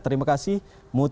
terima kasih mutia